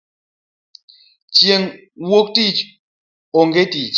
Chieng wuok tich onge tich